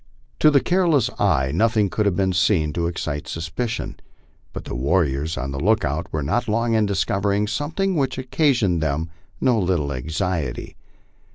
To the careless eye nothing could have been seen to excite suspicion. But the warriors on the lookout were not long in discovering something which occa sioned them no little anxiety.